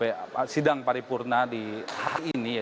dan di dalam sidang paripurna di ini